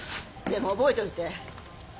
でも覚えといて。